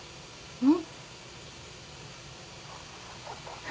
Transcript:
うん？